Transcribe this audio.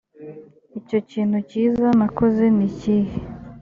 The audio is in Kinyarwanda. icyo kintu cyiza nakoze nikihe